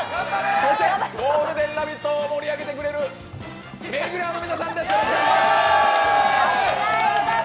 そして「ゴールデンラヴィット！」を盛り上げてくれるレギュラーの皆さんです！